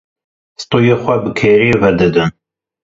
Stûyê xwe bi kêrê ve didin.